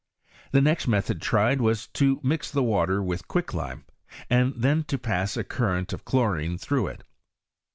The next method tried was to mis the water with quicklime, and then to pass a current of chlorine through it.